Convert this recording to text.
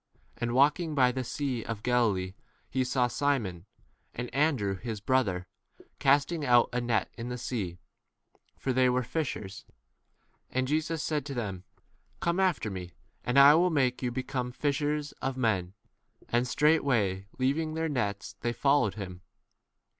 And walking^ by the sea of Gali lee, he saw Simon, and Andrew his brother, casting out a net in the sea, for they were fishers. l ? And Jesus said to them, Come after me, and I will make you be 18 come fishers of men; and straight way leaving their nets they fol 19 lowed him.